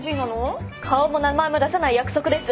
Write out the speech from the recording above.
顔も名前も出さない約束です。